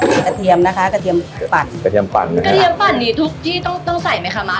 กระเทียมนะคะกระเทียมปั่นกระเทียมปั่นกระเทียมปั่นนี่ทุกที่ต้องต้องใส่ไหมคะม้า